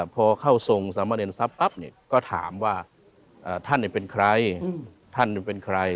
พอเข้าทรงสามเณรทรัพย์ปั๊บก็ถามว่าท่านเป็นใครท่านเป็นใคร